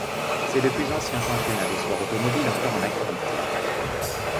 C'est le plus ancien championnat de sport automobile encore en activité.